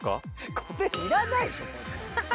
これいらないでしょ。